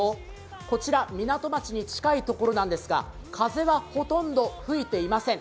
こちら港町に近いところなんですが、風はほとんど吹いていません。